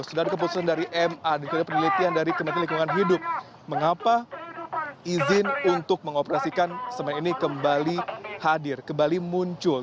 sudah ada keputusan dari ma dan juga penelitian dari kementerian lingkungan hidup mengapa izin untuk mengoperasikan semen ini kembali hadir kembali muncul